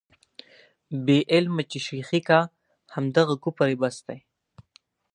بې علمه چې شېخي کا، همدغه کفر یې بس دی.